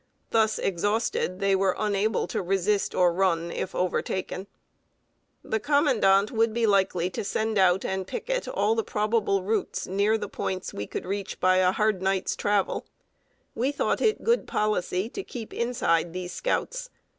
Thus exhausted, they were unable to resist or run, if overtaken. [Sidenote: CERTAIN TO BE BROUGHT BACK.] The Commandant would be likely to send out and picket all the probable routes near the points we could reach by a hard night's travel. We thought it good policy to keep inside these scouts.